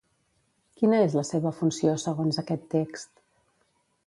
Quina és la seva funció, segons aquest text?